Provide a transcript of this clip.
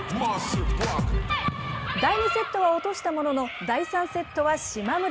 第２セットは落としたものの、第３セットは島村。